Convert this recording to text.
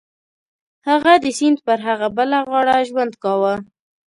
هغه د سیند پر هغه بله غاړه ژوند کاوه.